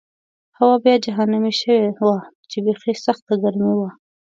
هوا بیا جهنمي شوې وه چې بېخي سخته ګرمي وه.